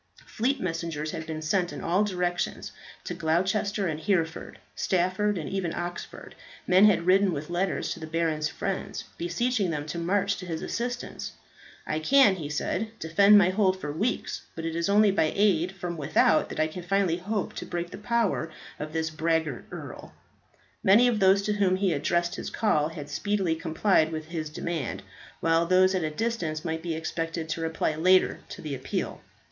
Fleet messengers had been sent in all directions. To Gloucester and Hereford, Stafford, and even Oxford, men had ridden, with letters to the baron's friends, beseeching them to march to his assistance. "I can," he said, "defend my hold for weeks. But it is only by aid from without that I can finally hope to break the power of this braggart earl." Many of those to whom he addressed his call had speedily complied with his demand, while those at a distance might be expected to reply later to the appeal.